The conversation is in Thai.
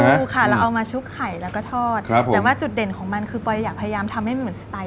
ถูกค่ะเราเอามาชุบไข่แล้วก็ทอดแต่ว่าจุดเด่นของมันคือปอยอยากพยายามทำให้มันเหมือนสไตล์